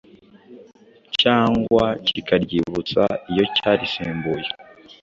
cyangwa kikaryibutsa iyo cyarisimbuye.